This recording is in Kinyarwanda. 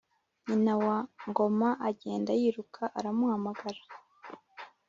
Nyina wa Ngoma agenda yiruka aramuhamagara,